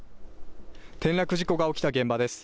転落事故が起きた現場です。